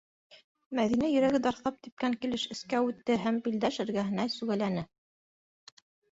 Мәҙинә йөрәге дарҫлап типкән килеш эскә үтте һәм Билдәш эргәһенә сүгәләне: